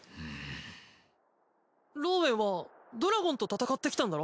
ローウェンはドラゴンと戦ってきたんだろ？